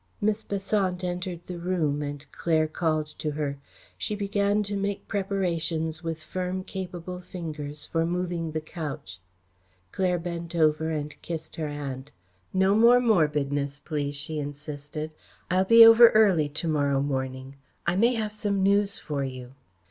Miss Besant entered the room and Claire called to her. She began to make preparations with firm, capable fingers, for moving the couch. Claire bent over and kissed her aunt. "No more morbidness, please," she insisted. "I'll be over early to morrow morning. I may have some news for you."